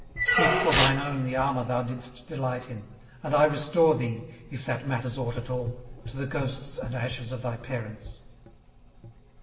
Keep for thine own the armour thou didst delight in; and I restore thee, if that matters aught at all, to the ghosts and ashes of thy parents.